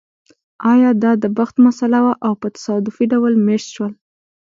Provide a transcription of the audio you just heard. ایا دا د بخت مسئله وه او په تصادفي ډول مېشت شول